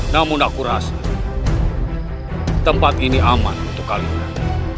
namun aku rasa tempat ini aman untuk kalian